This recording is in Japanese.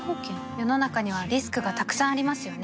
世の中にはリスクがたくさんありますよね